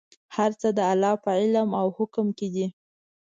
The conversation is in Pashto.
هر څه د الله په علم او حکم کې دي.